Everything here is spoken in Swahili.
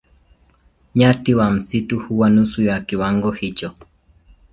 Nyati wa msitu huwa nusu ya kiwango hicho.